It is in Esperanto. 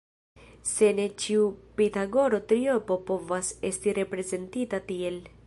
Sed ne ĉiu pitagoro triopo povas esti reprezentita tiel.